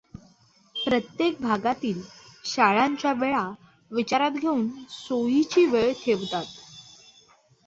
प्रत्येक भागातील शाळांच्या वेळा विचारात घेऊन सोईची वेळ ठेवतात.